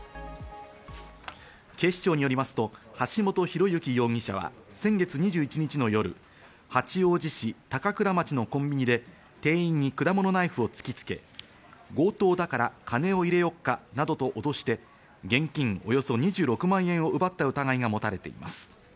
警視庁によりますと橋本広幸容疑者は先月２１日の夜、八王子市高倉町のコンビニで店員に果物ナイフを突きつけ、強盗だから金を入れようかなどとおどして、現金およそ２６万円を奪った疑いが持たれています。